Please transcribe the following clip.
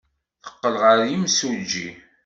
Teqqel ɣer yimsujji.